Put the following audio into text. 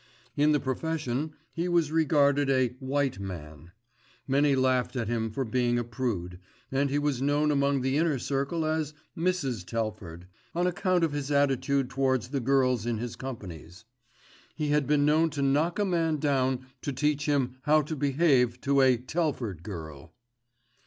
In the profession he was regarded a "white man." Many laughed at him for being a prude, and he was known among the inner circle as "Mrs. Telford," on account of his attitude towards the girls in his companies. He had been known to knock a man down to teach him how to behave to a "Telford girl."